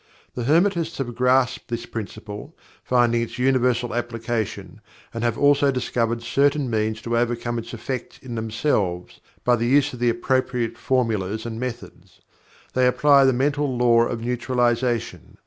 The Hermetists have grasped this Principle, finding its universal application, and have also discovered certain means to overcome its effects in themselves by the use of the appropriate formulas and methods. They apply the Mental Law of Neutralization.